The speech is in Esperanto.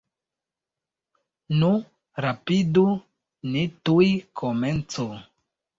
Nu, rapidu, ni tuj komencu!